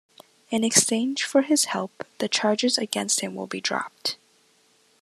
In exchange for his help the charges against him will be dropped.